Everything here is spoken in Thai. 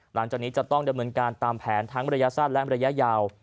หลังจากนี้จะต้องดำเนินการตามแผนทั้งระยะสั้นและระยะยาว